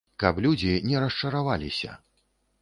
Каб людзі не расчараваліся.